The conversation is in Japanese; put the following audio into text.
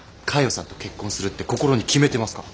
さんと結婚するって心に決めてますから。